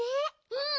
うん。